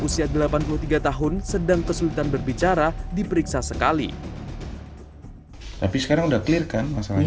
usia delapan puluh tiga tahun sedang kesulitan berbicara diperiksa sekali tapi sekarang udah clear kan masalahnya